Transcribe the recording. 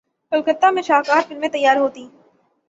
کلکتہ میں شاہکار فلمیں تیار ہوتیں۔